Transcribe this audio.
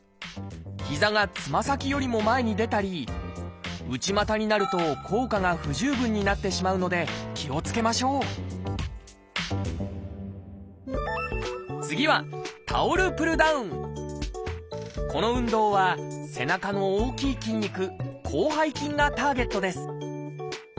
膝がつま先よりも前に出たり内股になると効果が不十分になってしまうので気をつけましょう次はこの運動は背中の大きい筋肉「広背筋」がターゲットです